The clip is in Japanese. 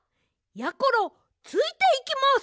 やころついていきます！